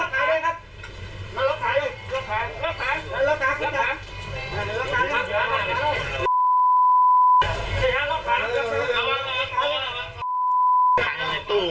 ขนมภาพ